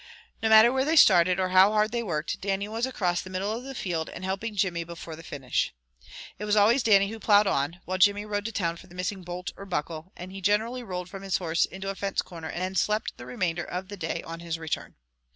No matter where they started, or how hard they worked, Dannie was across the middle of the field, and helping Jimmy before the finish. It was always Dannie who plowed on, while Jimmy rode to town for the missing bolt or buckle, and he generally rolled from his horse into a fence corner, and slept the remainder of the day on his return.